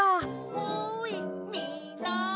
・おいみんな！